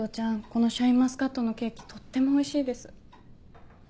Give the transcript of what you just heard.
このシャインマスカットのケーキとってもおいしいです。